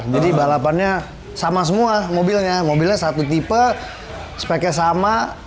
balapannya sama semua mobilnya mobilnya satu tipe speknya sama